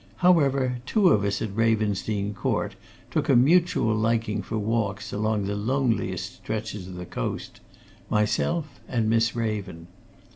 However, two of us at Ravensdene Court took a mutual liking for walks along the loneliest stretches of the coast myself and Miss Raven.